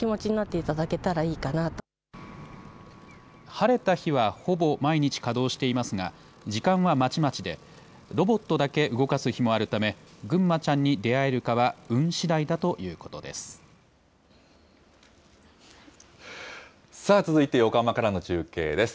晴れた日はほぼ毎日稼働していますが、時間はまちまちで、ロボットだけ動かす日もあるため、ぐんまちゃんに出会えるかは運し続いて横浜からの中継です。